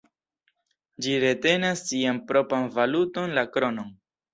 Ĝi retenas sian propran valuton, la kronon.